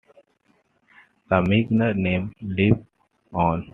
The Mizner name lives on.